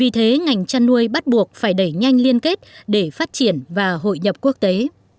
vì thế ngành chăn nuôi bắt buộc phải đẩy nhanh liên kết để phát triển và hội nhập quốc tế